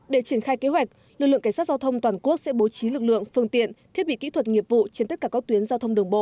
để triển khai kế hoạch lực lượng cảnh sát giao thông toàn quốc sẽ bố trí lực lượng phương tiện thiết bị kỹ thuật nghiệp vụ trên tất cả các tuyến giao thông đường bộ